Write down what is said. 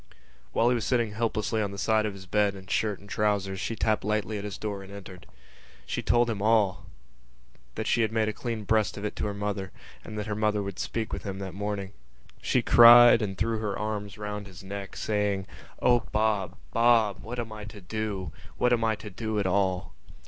While he was sitting helplessly on the side of the bed in shirt and trousers she tapped lightly at his door and entered. She told him all, that she had made a clean breast of it to her mother and that her mother would speak with him that morning. She cried and threw her arms round his neck, saying: "O Bob! Bob! What am I to do? What am I to do at all?"